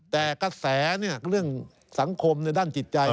แต่กระแสเรื่องสังคมในด้านจิตใจ